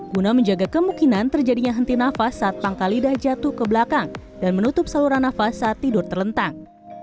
guna menjaga kemungkinan terjadinya henti nafas saat pangkal lidah jatuh ke belakang dan menutup saluran nafas saat tidur terlentang